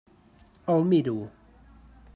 El miro.